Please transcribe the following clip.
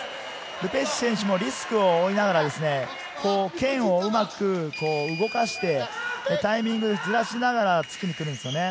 ル・ペシュ選手もリスクを負いながら、剣をうまく動かして、タイミングをずらしながら、突きに来るんですよね。